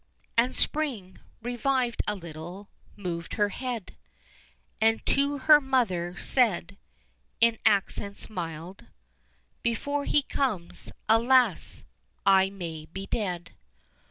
And Spring, revived a little, moved her head, And to her mother said, in accents mild: "Before he comes, alas! I may be dead.